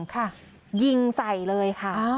ค่ะยิงใส่เลยค่ะ